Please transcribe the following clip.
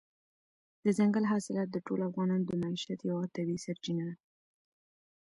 دځنګل حاصلات د ټولو افغانانو د معیشت یوه طبیعي سرچینه ده.